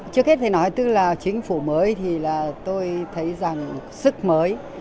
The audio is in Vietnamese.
trước hết thì nói tức là chính phủ mới thì là tôi thấy rằng sức mới